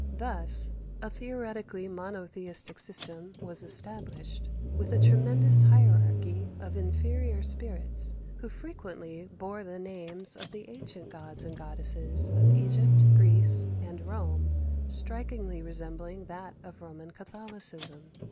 Thus, a theoretically monotheistic system was established, with a tremendous hierarchy of inferior spirits, who frequently bore the names of the ancient gods and goddesses of Egypt, Greece, and Rome, strikingly resembling that of Roman Catholicism.